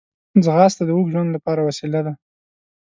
ځغاسته د اوږد ژوند لپاره وسیله ده